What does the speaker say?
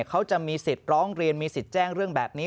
เขาจะมีสิทธิ์ร้องเรียนมีสิทธิ์แจ้งเรื่องแบบนี้